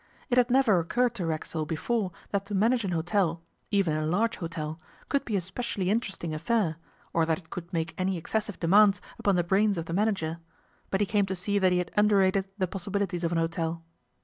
It had never occurred to Racksole before that to manage an hotel, even a large hotel, could be a specially interesting affair, or that it could make any excessive demands upon the brains of the manager; but he came to see that he had underrated the possibilities of an hotel.